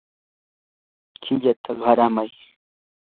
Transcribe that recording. qillayta qaramay.